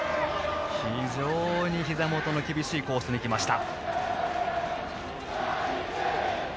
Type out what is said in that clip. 非常にひざ元の厳しいコースに来ました。